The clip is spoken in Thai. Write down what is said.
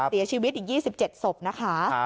เสียชีวิตอีก๒๗ศพนะคะ